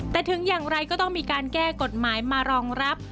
แต่ถึงอย่างไรก็ต้องมีการแก้กฎหมายมารองรับ